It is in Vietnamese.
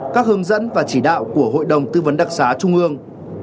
các hướng dẫn và chỉ đạo của hội đồng tư vấn đặc xá trung ương